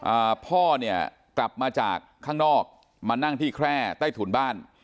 อ่าพ่อเนี่ยกลับมาจากข้างนอกมานั่งที่แคร่ใต้ถุนบ้าน